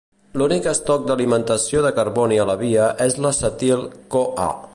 L'únic estoc d'alimentació de carboni a la via és l'acetil-CoA.